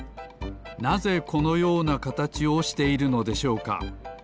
なぜこのようなかたちをしているのでしょうか？